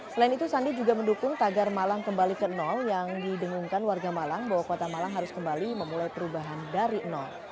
selain itu sandi juga mendukung tagar malang kembali ke nol yang didengungkan warga malang bahwa kota malang harus kembali memulai perubahan dari nol